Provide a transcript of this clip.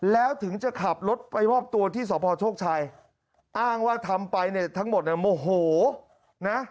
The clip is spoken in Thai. แล้วถึงจะขับรถไปมอบตัวที่สพโชคชัยอ้างว่าทำไปเนี่ยทั้งหมดเนี่ยโมโหนะ